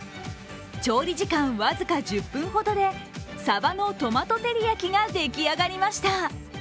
調理時間僅か１０分ほどで、サバのトマト照り焼きができ上がりました。